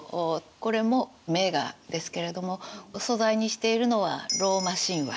これも名画ですけれども素材にしているのはローマ神話。